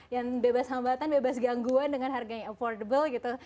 yang bebas hambatan bebas gangguan dengan harganya affordable gitu